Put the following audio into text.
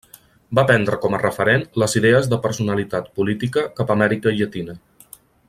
Va prendre com a referent les idees de personalitat política cap a Amèrica Llatina.